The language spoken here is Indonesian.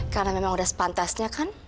karena memang udah sepantasnya kan